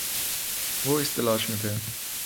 وہ اس تلاش میں تھے